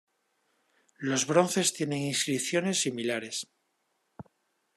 Los bronces tienen inscripciones similares.